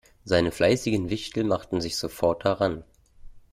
Seine fleißigen Wichtel machten sich sofort daran.